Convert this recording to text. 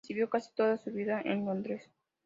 Residió casi toda su vida en Londres.